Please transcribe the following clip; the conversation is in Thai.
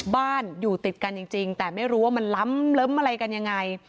บ้านอยู่ติดกันจริงแต่ไม่รู้ว่ามันล้ำอะไรกันยังไง